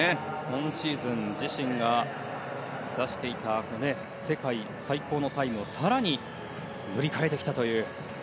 今シーズン自身が出していた世界最高のタイムを更に塗り替えてきたという。